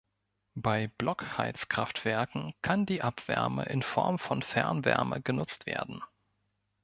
Bei Blockheizkraftwerken kann die Abwärme in Form von Fernwärme genutzt werden.